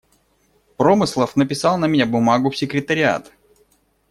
Промыслов написал на меня бумагу в Секретариат.